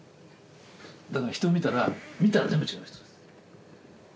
だから人を見たら見たら全部違う人です。